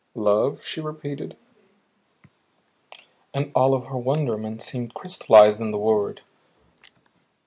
"Love?" she repeated, and all of her wonderment seemed crystallized in the word.